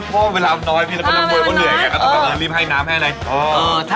ก็คือเวลาน้อยพี่แล้วลับมวยก็เหนื่อยกันก็เลยลีบให้น้ำให้เลย